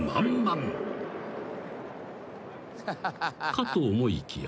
［かと思いきや］